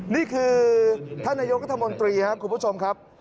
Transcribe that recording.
นี่คือท่านนายกรัฐมนตรีครับคุณผู้ชมครับ